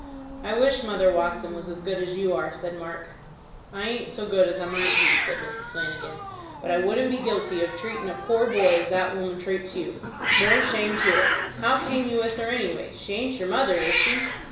"I wish Mother Watson was as good as you are," said Mark. "I aint so good as I might be," said Mrs. Flanagan; "but I wouldn't be guilty of tratin' a poor boy as that woman trates you, more shame to her! How came you with her any way? She aint your mother, is she."